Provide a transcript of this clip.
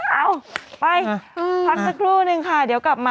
เอาไปพักสักครู่นึงค่ะเดี๋ยวกลับมา